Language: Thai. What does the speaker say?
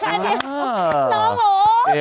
น้องโหวเจดแล้ว